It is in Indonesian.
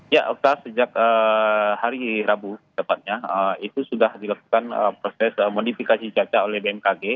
ya okta sejak hari rabu tepatnya itu sudah dilakukan proses modifikasi cuaca oleh bmkg